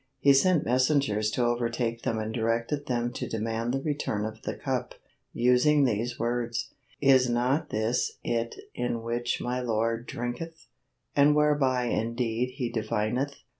He sent messengers to overtake them and directed them to demand the return of the cup, using these words: "Is not this it in which my lord drinketh, and whereby indeed he divineth?"